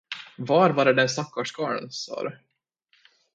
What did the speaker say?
Vad var det den stackars karln sade?